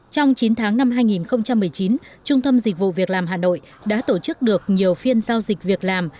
trong chín tháng năm hai nghìn một mươi chín trung tâm dịch vụ việc làm hà nội đã tổ chức được nhiều phiên giao dịch việc làm